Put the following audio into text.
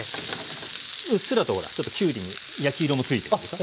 うっすらとほらちょっときゅうりに焼き色もついてるでしょ。